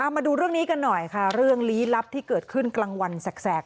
มาดูเรื่องนี้กันหน่อยค่ะเรื่องลี้ลับที่เกิดขึ้นกลางวันแสก